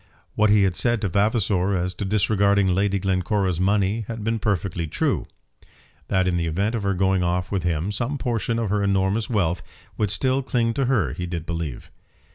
What he had said to Vavasor as to disregarding Lady Glencora's money had been perfectly true. That in the event of her going off with him, some portion of her enormous wealth would still cling to her, he did believe.